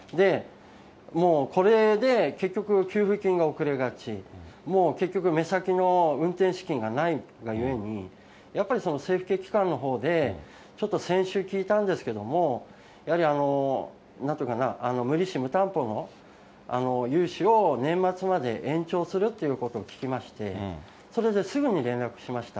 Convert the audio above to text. もうこれで、結局、給付金が遅れがち、もう結局目先の運転資金がないがゆえに、やっぱりその政府系機関のほうで、先週聞いたんですけれども、やはり、なんていうのか、無利子無担保の融資を年末まで延長するっていうことを聞きまして、それですぐに連絡をしました。